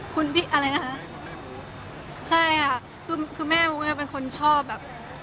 คุณแม่ตอนแรกประมาทจะเป็นคนรับแค่นี้มั้ย